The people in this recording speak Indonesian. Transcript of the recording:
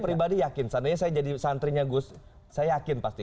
saya pribadi yakin seandainya saya jadi santrinya gus saya yakin pasti